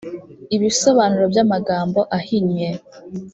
ibisobanuro by’amagambo ahinnye